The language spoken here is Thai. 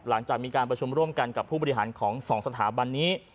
หลังจากมีการประชุมร่วมกันกับผู้บริหารของ๒สถาบันนี้